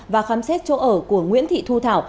và khám xét chỗ ở của nguyễn thị thu thảo